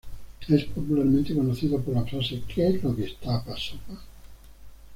Es popularmente conocido por las frases "¿Que es lo que está pa' sopa?